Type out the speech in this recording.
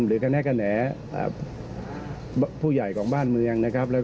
หรือคณะกระแหน่ผู้ใหญ่ของบ้านเมืองนะครับ